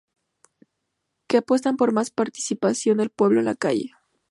Que apuestan por más participación del pueblo en la calle.